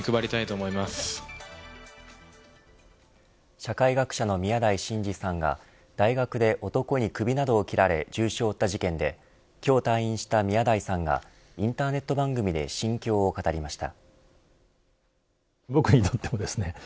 社会学者の宮台真司さんが大学で男に首などを切られ重傷を負った事件で今日退院した宮台さんがインターネット番組で心境を語りました。